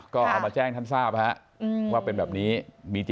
ก็เอามาแจ้งท่านทราบว่าเป็นแบบนี้